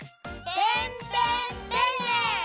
ペンペンペンネ！